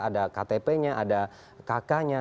ada ktp nya ada kk nya